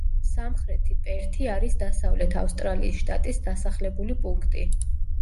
სამხრეთი პერთი არის დასავლეთ ავსტრალიის შტატის დასახლებული პუნქტი.